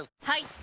はい！